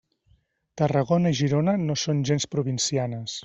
Tarragona i Girona no són gens provincianes.